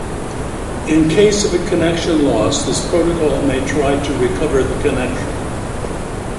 In case of a connection loss this protocol may try to recover the connection.